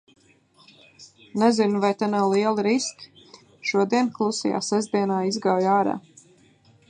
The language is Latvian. Nezinu, vai te nav lieli riski. Šodien Klusajā sestdienā izgāju ārā.